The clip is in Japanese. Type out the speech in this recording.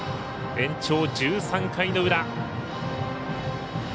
延長１３回の裏。